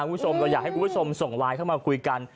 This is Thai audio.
คุณผู้ชมเราอยากให้คุณผู้ชมส่งไลน์เข้ามาคุยกัน